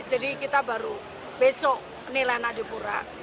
jadi kita baru besok nilain adipura